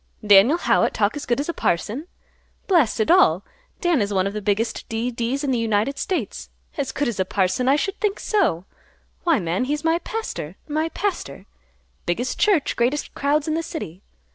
Daniel Howitt talk as good as a parson! Blast it all! Dan is one of the biggest D. D.'s in the United States; as good as a parson, I should think so! Why, man, he's my pastor; my pastor. Biggest church, greatest crowds in the city.